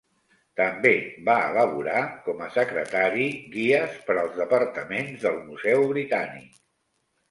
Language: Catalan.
També va elaborar, com a secretari, guies per als departaments del Museu Britànic.